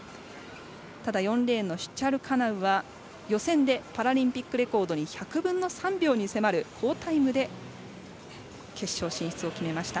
ただ４レーンのシチャルカナウは予選でパラリンピックレコードに１００分の３秒に迫る好タイムで決勝進出を決めました。